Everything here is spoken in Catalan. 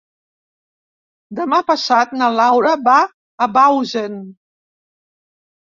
Demà passat na Laura va a Bausen.